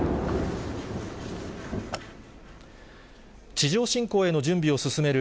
地上侵攻への準備を進める